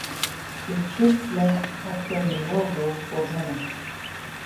His ships left Castelnuovo for Venice.